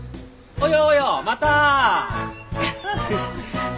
およおよまた。